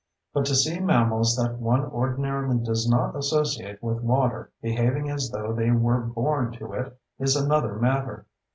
But to see mammals that one ordinarily does not associate with water behaving as though they were born to it is another matter.